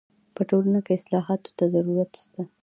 په ټولنه کي اصلاحاتو ته ضرورت سته.